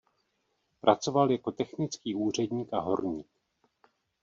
Pracoval jako technický úředník a horník.